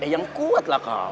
eh yang kuat lah kau